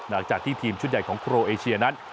หลังจากที่ทีมชุดใหญ่ของโครเอเชียนั้น